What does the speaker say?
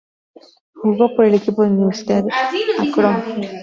Jugó por el equipo de Universidad de Akron.